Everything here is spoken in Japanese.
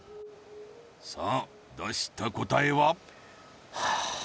さあ出した答えは？